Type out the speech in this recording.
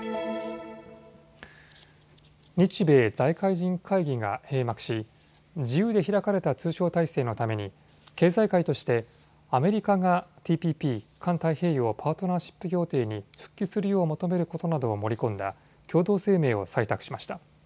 日米財界人会議が閉幕し、自由で開かれた通商体制のために経済界としてアメリカがＴＰＰ・環太平洋パートナーシップ協定に復帰するよう求めることなどを盛り込んだ共同声明を採択しました。